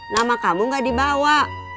nama kamu gak dibawa